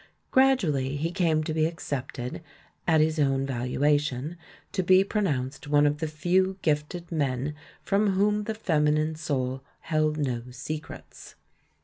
Gradually he came to be accepted at his own valuation, to be pronounced one of the few gifted men from whom the feminine soul held no se crets.